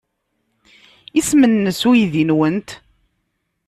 Isem-nnes uydi-nwent?